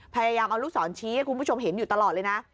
พยายามเอาลูกศรชี้ให้คุณผู้ชมเห็นอยู่ตลอดเลยนะ